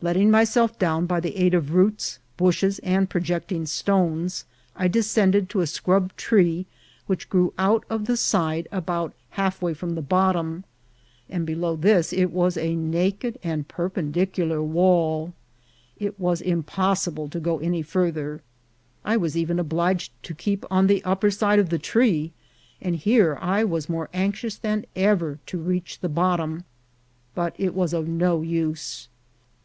Letting myself down by the aid of roots, bushes, and projecting stones, I descended to a scrub tree which grew out of the side about half DESCENT INTO THE CRATER. 13 way from the bottom, and below this it was a naked and perpendicular wall. It was impossible to go any farther. I was even obliged to keep on the upper side of the tree, and here I was more anxious than ever to reach the bot tom ; but it was of no use.